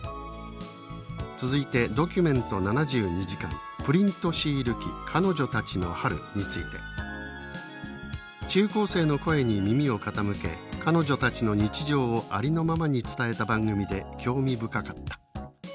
続いてドキュメント７２時間「プリントシール機彼女たちの春」について中高生の声に耳を傾け彼女たちの日常をありのままに伝えた番組で興味深かった」